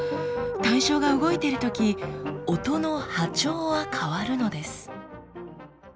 対象が動いてるとき音の波長は変わるのです。